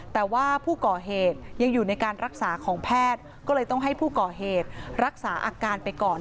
แต่ว่าผู้ก่อเหตุยังอยู่ในการรักษาของแพทย์ก็เลยต้องให้ผู้ก่อเหตุรักษาอาการไปก่อน